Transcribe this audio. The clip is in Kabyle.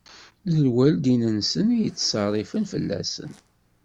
D lwaldin-nsen i yettṣerrifen fell-asen.